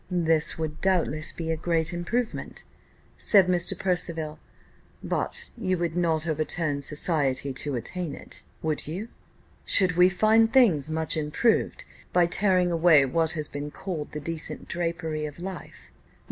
"This would doubtless be a great improvement," said Mr. Percival; "but you would not overturn society to attain it, would you? Should we find things much improved by tearing away what has been called the decent drapery of life?"